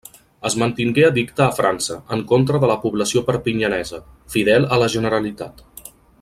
Es mantingué addicte a França, en contra de la població perpinyanesa, fidel a la generalitat.